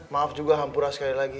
maaf juga hampura sekali lagi